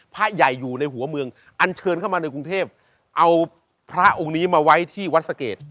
พระใหญ่อยู่ในหัวเมืองอันเชิญเข้ามาในกรุงเทพเอาพระองค์นี้มาไว้ที่วัดสะเกด